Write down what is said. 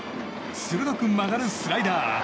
鋭く曲がるスライダー！